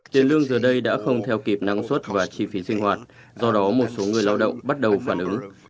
tiền lương giờ đây đã không theo kịp năng suất và chi phí sinh hoạt do đó một số người lao động bắt đầu phản ứng